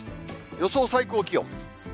予想最高気温。